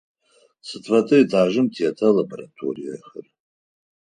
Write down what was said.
Сыд фэдэ этажым тета лабораториехэр?